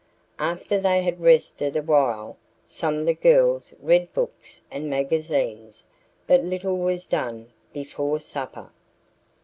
After they had rested a while some of the girls read books and magazines, but little was done before supper.